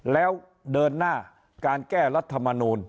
แล้วเดินหน้าการแก้รัฐมนูล